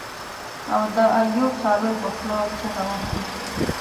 او د ايوب صابر په خوله چيغه وهم.